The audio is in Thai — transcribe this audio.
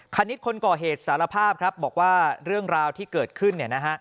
คณิตคนก่อเหตุสารภาพครับบอกว่าเรื่องราวที่เกิดขึ้นเนี่ยนะฮะ